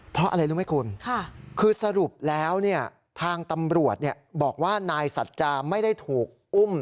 เพราะอะไรรู้ไหมคุณคือสรุปแล้วทางตำรวจบอกว่านายสัจจาไม่ได้ถูกอุ้ม